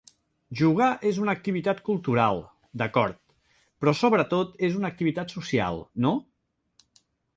Jugar és una activitat cultural, d'acord, però sobretot és una activitat social, no?